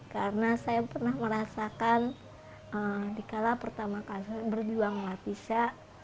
karena saya pernah merasakan dikala pertama kali berjuang latisya